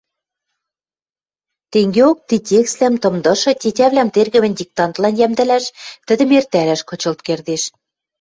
Тенгеок ти текствлӓм тымдышы тетявлӓм тергӹмӹ диктантлан йӓмдӹлӓш, тӹдӹм эртӓрӓш кычылт кердеш.